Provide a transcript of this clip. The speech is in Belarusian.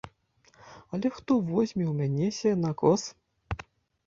Але хто возьме ў мяне сенакос?